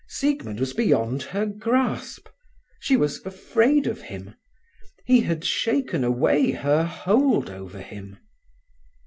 Siegmund was beyond her grasp. She was afraid of him. He had shaken away her hold over him.